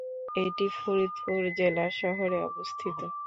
এটি ফরিদপুর জেলা শহরে অবস্থিত।